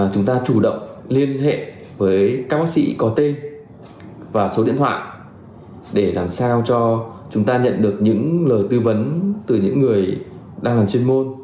chúng ta chủ động liên hệ với các bác sĩ có tên và số điện thoại để làm sao cho chúng ta nhận được những lời tư vấn từ những người đang làm chuyên môn